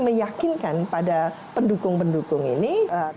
meyakinkan pada pendukung pendukung ini